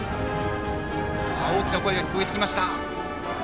大きな声が聞こえてきました。